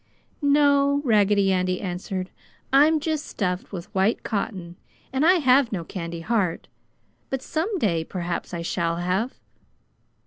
"No!" Raggedy Andy answered, "I'm just stuffed with white cotton and I have no candy heart, but some day perhaps I shall have!"